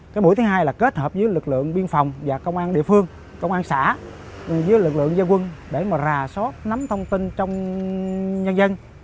cái mũi thứ hai là kết hợp với lực lượng biên phòng và công an địa phương công an xã với lực lượng gia quân để mà rà soát nắm thông tin trong nhân dân